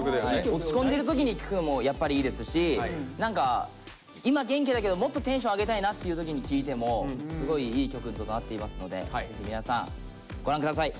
落ち込んでる時に聴くのもやっぱりいいですし何か今元気だけどもっとテンション上げたいなっていう時に聴いてもすごいいい曲となっていますのでぜひ皆さんご覧下さい。